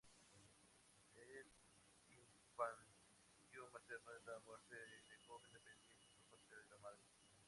El infanticidio materno es la muerte de jóvenes dependientes por parte de la madre.